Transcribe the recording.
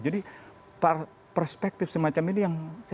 jadi perspektif semacam ini yang terperanjakan